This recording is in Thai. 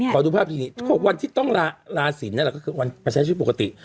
ขอดูภาพทีนี้เขาบอกวันที่ต้องลาศิลป์นั่นแหละก็คือวันประชาธิปปกติ